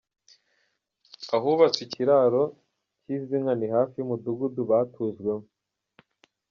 Ahubwatse ikiraro cy’izi nka ni hafi y’umudugudu batujwemo.